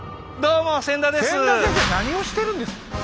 千田先生何をしてるんですか！